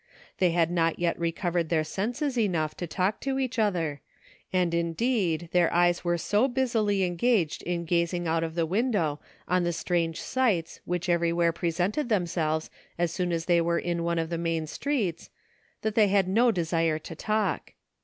They had not yet recovered their senses enough to talk to each other, and indeed their eyes were so busily engaged in gazing out of the window on the strange sights which everywhere pre sented themselves as soon as they were in one of the main streets, that they had no desire to talk.